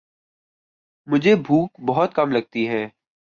مجھے بھوک بہت کم لگتی ہے